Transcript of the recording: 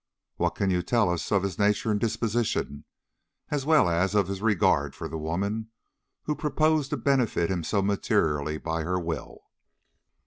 "What can you tell us of his nature and disposition, as well as of his regard for the woman who proposed to benefit him so materially by her will?"